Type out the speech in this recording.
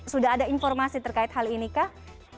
sudah ada informasi terkait hal ini kah